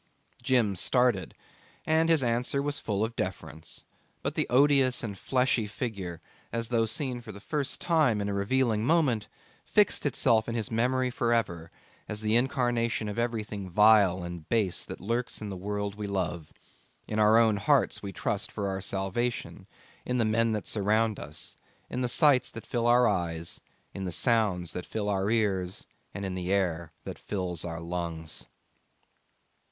Jim started, and his answer was full of deference; but the odious and fleshy figure, as though seen for the first time in a revealing moment, fixed itself in his memory for ever as the incarnation of everything vile and base that lurks in the world we love: in our own hearts we trust for our salvation, in the men that surround us, in the sights that fill our eyes, in the sounds that fill our ears, and in the air that fills our lungs.